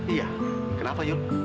iya kenapa yul